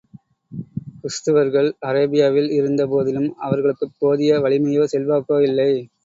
கிறிஸ்துவர்கள், அரேபியாவில் இருந்த போதிலும், அவர்களுக்குப் போதிய வலிமையோ செல்வாக்கோ இல்லை.